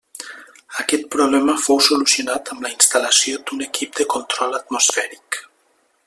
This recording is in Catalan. Aquest problema fou solucionat amb la instal·lació d'un equip de control atmosfèric.